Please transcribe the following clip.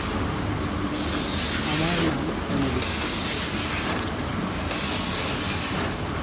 আমার নাম এমিলি।